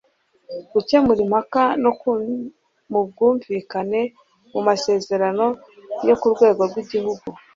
gukemura impaka mu bwumvikane mu masezerano yo ku rwego rw'igihugu